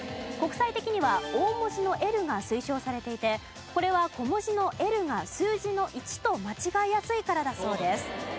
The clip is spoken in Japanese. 国際的には大文字の「Ｌ」が推奨されていてこれは小文字の「ｌ」が数字の「１」と間違えやすいからだそうです。